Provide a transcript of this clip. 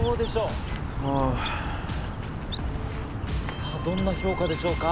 さぁどんな評価でしょうか？